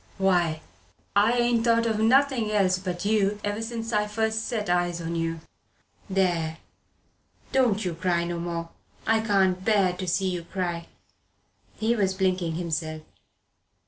Why, I ain't thought o' nothing else but you ever since I first set eyes on you. There don't you cry no more. I can't abear to see you cry." He was blinking himself.